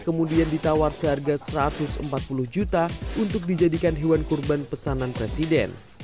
kemudian ditawar seharga satu ratus empat puluh juta untuk dijadikan hewan kurban pesanan presiden